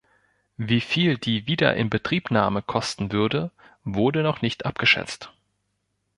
Wie viel die Wiederinbetriebnahme kosten würde, wurde noch nicht abgeschätzt.